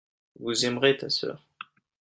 vous aimerez ta sœur.